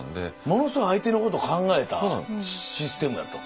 ものすごい相手のこと考えたシステムやと。